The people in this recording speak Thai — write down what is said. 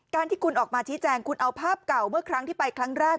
ที่คุณออกมาชี้แจงคุณเอาภาพเก่าเมื่อครั้งที่ไปครั้งแรก